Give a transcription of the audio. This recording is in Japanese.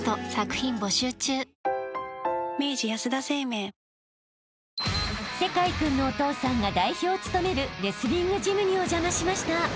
［聖魁君のお父さんが代表を務めるレスリングジムにお邪魔しました］